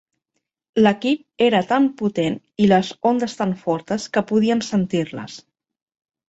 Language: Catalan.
L"equip era tan potent i les ondes tan fortes que podíem sentir-les.